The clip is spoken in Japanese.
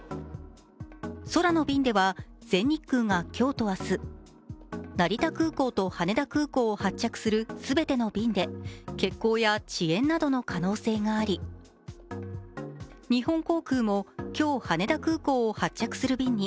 空の便では、全日空が今日と明日成田空港と羽田空港を発着する全ての便で欠航や遅延などの可能性があり日本航空も今日、羽田空港を発着する便に